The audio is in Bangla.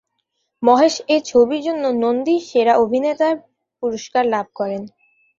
মহেশ এই ছবির জন্য নন্দী সেরা অভিনেতার পুরস্কার লাভ করেন।